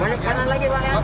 balik kanan lagi pak